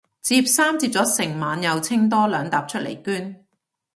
摺衫摺咗成晚又清多兩疊出嚟捐